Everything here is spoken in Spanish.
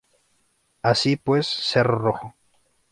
Así pues Cerro rojo.